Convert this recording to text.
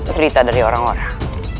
cerita dari orang orang